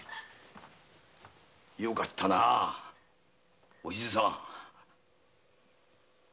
よかったなお静さん。